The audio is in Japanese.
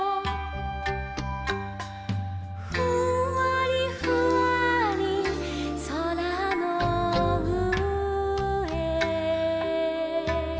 「ふんわりふわーりそらのうえ」